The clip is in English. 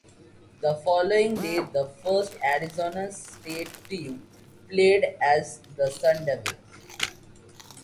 The following day, the first Arizona State team played as the Sun Devils.